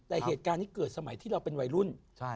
แต่เหตุการณ์นี้เกิดสมัยที่เราเป็นวัยรุ่น